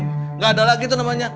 gak ada lagi tuh namanya